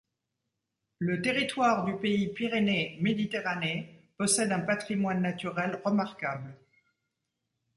Le territoire du Pays Pyrénées-Méditerranée possède un patrimoine naturel remarquable.